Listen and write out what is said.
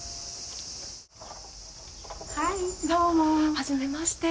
はじめまして。